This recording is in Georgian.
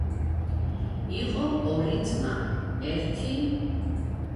იყო ორი ძმა. ერთი